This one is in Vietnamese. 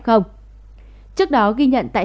trước đó ghi nhận tại xã phong điền